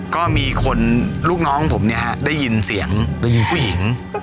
ก็มีคนลูกน้องผมเนี่ยฮะได้ยินเสียงมีผู้หญิง